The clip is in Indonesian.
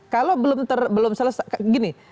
kalau belum selesai gini